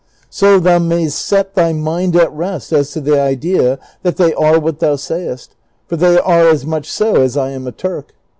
So thou mayst set thy inind at rest as to the idea that they are what thou sayest, for they are as much so as I am a Turk.